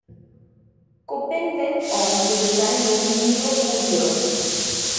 Koppen went on to design the Helio Courier.